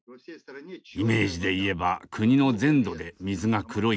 イメージで言えば国の全土で水が黒いのです。